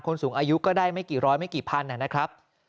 สูงอายุก็ได้ไม่กี่ร้อยไม่กี่พันนะครับ